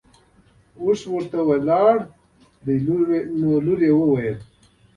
اوښ ورته ولاړ دی نو لور یې وویل.